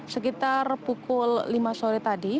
sekitar pukul lima sore tadi